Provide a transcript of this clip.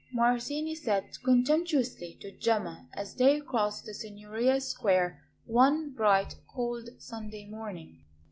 Martini said contemptuously to Gemma as they crossed the Signoria square one bright, cold Sunday morning.